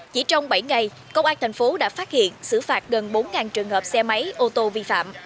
chỉ trong bảy ngày công an thành phố đã phát hiện xử phạt gần bốn trường hợp xe máy ô tô vi phạm